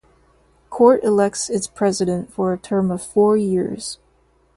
Court elects its President for a term of four years.